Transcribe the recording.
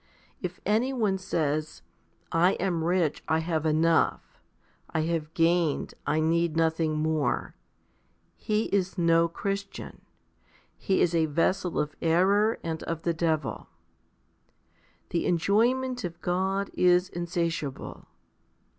If any one says, "I am rich ; I have enough. I have gained ; I need nothing more," he is no Christian ; he is a vessel of error and of the devil. The enjoyment of God is insatiable.